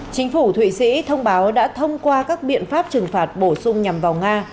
chính phủ thụy sĩ thông báo đã thông qua các biện pháp trừng phạt bổ sung nhằm vào nga